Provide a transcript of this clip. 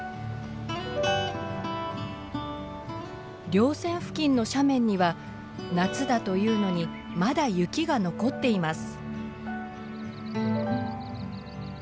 稜線付近の斜面には夏だというのにまだ雪が残っています。